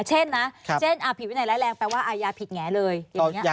เช่นนะผิดวินัยร้ายแรงแปลว่าอาญาผิดแงะเลย